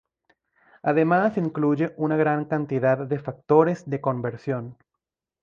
Además incluye una gran cantidad de factores de conversión.